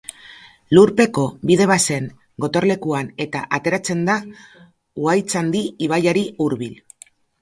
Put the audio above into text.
Lurpeko-bide bazen gotorlekuan eta ateratzen da Uhaitzandi ibaiari hurbil.